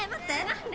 何で？